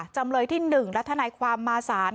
จำเลยที่๑และทนายความมาศาล